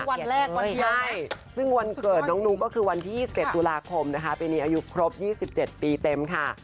วันแรกวันที่ใช่ซึ่งวันเกิดน้องนุ๊กก็คือวันที่๒๑ตุลาคมนะคะปีนี้อายุครบ๒๗ปีเต็มค่ะ